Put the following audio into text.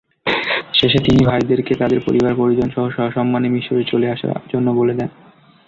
শেষে তিনি ভাইদেরকে তাদের পরিবার-পরিজনসহ সসম্মানে মিসরে চলে আসার জন্যে বলে দেন।